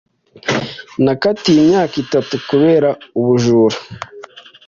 Nakatiwe imyaka itatu kubera ubujura.